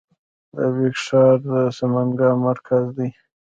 د ایبک ښار د سمنګان مرکز دی